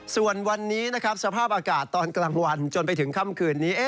ส่วนวันนี้นะครับสภาพอากาศตอนกลางวันจนไปถึงค่ำคืนนี้